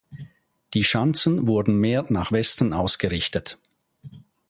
Die Schanzen wurden mehr nach Westen ausgerichtet.